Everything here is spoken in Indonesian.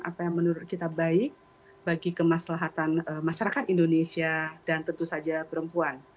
apa yang menurut kita baik bagi kemaslahatan masyarakat indonesia dan tentu saja perempuan